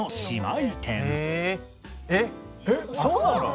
えっそうなの？